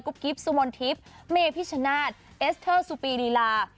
กุ๊บกิ๊บสุมนทิพย์เมพิชชนาธิ์เอสเทอร์สุปีรีลา